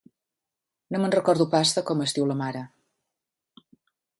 No me'n recordo pas, de com es diu la mare.